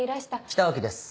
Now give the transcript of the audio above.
北脇です